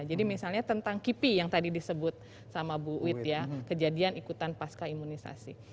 jadi misalnya tentang kipi yang tadi disebut sama bu wit ya kejadian ikutan pasca imunisasi